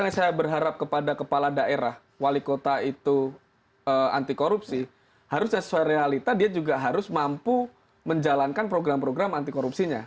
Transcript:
karena saya berharap kepada kepala daerah wali kota itu anti korupsi harus sesuai realita dia juga harus mampu menjalankan program program anti korupsinya